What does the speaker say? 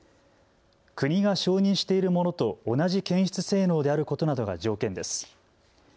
国が承認しているものと同じ検出性能であることなどが条件です。